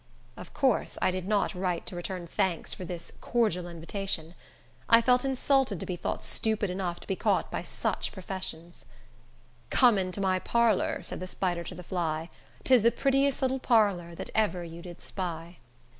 Of course I did not write to return thanks for this cordial invitation. I felt insulted to be thought stupid enough to be caught by such professions. "Come up into my parlor," said the spider to the fly; "Tis the prettiest little parlor that ever you did spy."